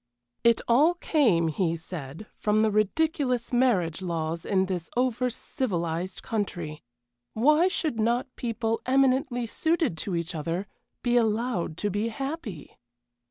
It all came, he said, from the ridiculous marriage laws in this over civilized country. Why should not people eminently suited to each other be allowed to be happy?